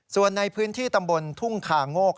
ส่วนในพื้นที่ตำบลทุ่งคาโงก